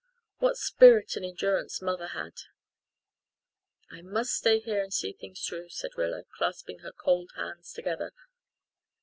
What spirit and endurance mother had! "I must stay here and see things through," said Rilla, clasping her cold hands together.